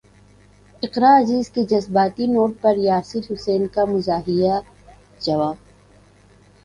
اقرا عزیز کے جذباتی نوٹ پر یاسر حسین کا مزاحیہ جواب